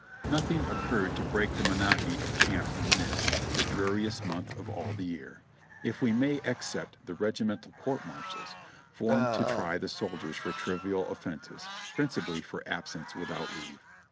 Nothing occurred to break the monotony of camp in this, the A LONG REST 331 dreariest month of all the year, if we may except the regimental court martials, formed to try the soldiers for trivial offenses, prin cipally for absence without leave.